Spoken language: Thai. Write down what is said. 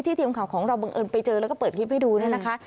ทีมข่าวของเราบังเอิญไปเจอแล้วก็เปิดคลิปให้ดูเนี่ยนะคะ